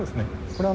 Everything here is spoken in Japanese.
これは。